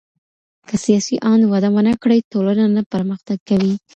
که سياسي آند وده ونکړي ټولنه نه پرمختګ کوي.